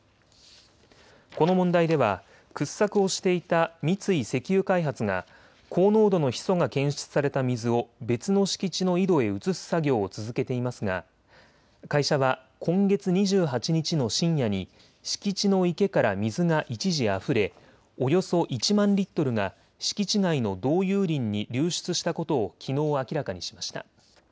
この問題では掘削をしていた三井石油開発が高濃度のヒ素が検出された水を別の敷地の井戸へ移す作業を続けていますが会社は今月２８日の深夜に敷地の池から水が一時あふれおよそ１万リットルが敷地外の道有林に流出したことをきのう明らかにしました。